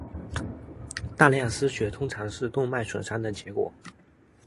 大量失血通常是动脉损伤的结果。